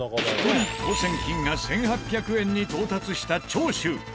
一人当せん金が１８００円に到達した長州。